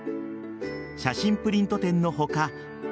写真プリント店の他